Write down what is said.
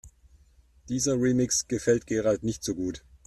Dieser Remix gefällt Gerald nicht so gut.